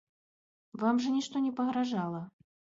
Вам жа нішто не пагражала.